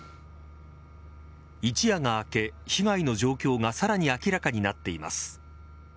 一夜が明け、被害の状況がさらに明らかになっています。